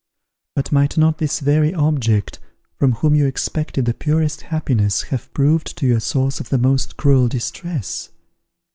"But might not this very object, from whom you expected the purest happiness, have proved to you a source of the most cruel distress?